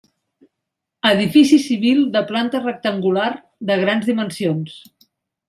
Edifici civil de planta rectangular de grans dimensions.